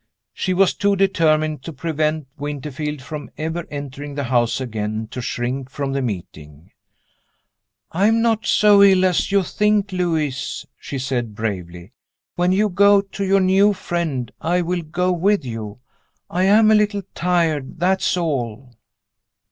She was too determined to prevent Winterfield from ever entering the house again to shrink from the meeting. "I am not so ill as you think, Lewis," she said, bravely. "When you go to your new friend, I will go with you. I am a little tired that's all."